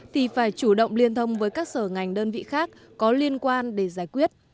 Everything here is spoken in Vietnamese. thì phải chủ động liên thông với các sở ngành đơn vị khác có liên quan để giải quyết